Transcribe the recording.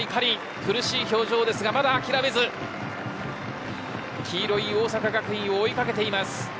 苦しい表情ですがまだ諦めず黄色い大阪学院を追い掛けています。